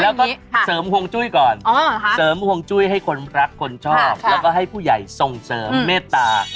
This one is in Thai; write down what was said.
แล้วก็เสริมห่วงจุ้ยก่อนเสริมห่วงจุ้ยให้คนรักคนชอบแล้วก็ให้ผู้ใหญ่ส่งเสริมเมตตา